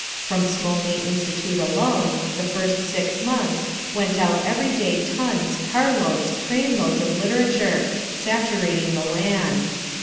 From Smolny Institute alone, the first six months, went out every day tons, car loads, train loads of literature, saturating the land.